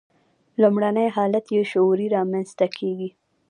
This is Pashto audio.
لومړنی حالت یې شعوري رامنځته کېږي.